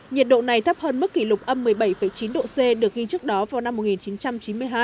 nhiệt độ này thấp hơn mức kỷ lục âm một mươi bảy chín độ c được ghi trước đó vào năm một nghìn chín trăm chín mươi hai